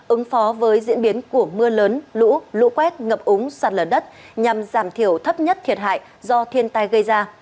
ứng phó với diễn biến của mưa lớn lũ lũ quét ngập úng sạt lở đất nhằm giảm thiểu thấp nhất thiệt hại do thiên tai gây ra